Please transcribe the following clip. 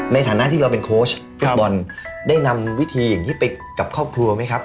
ในฐานะที่เราเป็นโค้ชฟุตบอลได้นำวิธีอย่างนี้ไปกับครอบครัวไหมครับ